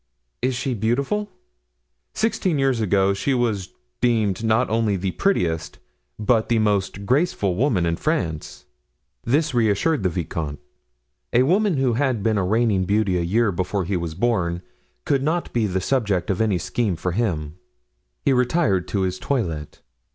"Is she beautiful?" "Sixteen years ago she was deemed not only the prettiest, but the most graceful woman in France." This reply reassured the vicomte. A woman who had been a reigning beauty a year before he was born could not be the subject of any scheme for him. He retired to his toilet.